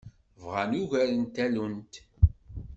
Bɣan ugar n tallunt.